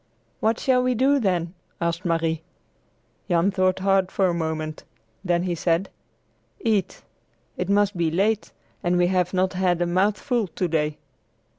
"What shall we do, then?" asked Marie. Jan thought hard for a moment. Then he said: "Eat! It must be late, and we have not had a mouthful to day."